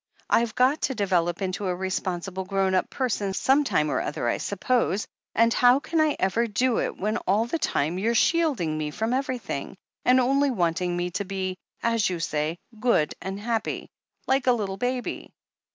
Fve got to develop into a responsible grown up person some time or other, I sup pose — ^and how can I ever do it when all the time you're shielding me from everything, and only wanting me to be, as you say, good and happy — ^like a little baby?"